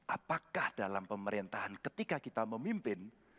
apakah dalam pemerintahan ketika kita memimpin